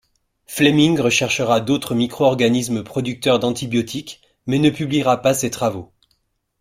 Fleming recherchera d'autres micro-organismes producteurs d'antibiotiques mais ne publiera pas ces travaux.